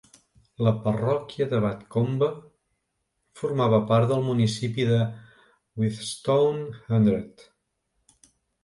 La parròquia de Batcombe formava part del municipi de Whitstone Hundred.